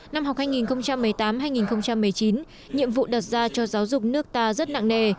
năm học hai nghìn một mươi tám hai nghìn một mươi chín nhiệm vụ đặt ra cho giáo dục nước ta rất nặng nề